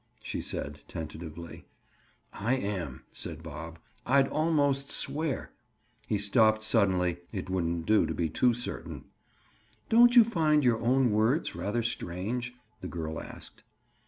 she said tentatively. "I am," said Bob. "I'd almost swear—" He stopped suddenly. It wouldn't do to be too certain. "Don't you find your own words rather strange?" the girl asked.